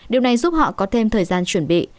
điều này giúp họ có thêm thời gian chuẩn bị